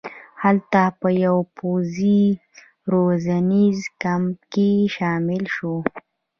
هلته په یوه پوځي روزنیز کمپ کې شامل شو.